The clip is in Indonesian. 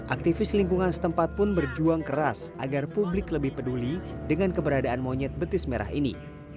aktivis lingkungan setempat pun berjuang keras agar publik lebih peduli dengan keberadaan monyet betis merah ini